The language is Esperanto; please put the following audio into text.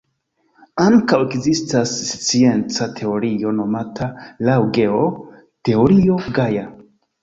Ankaŭ ekzistas scienca teorio nomata laŭ Geo, Teorio Gaja.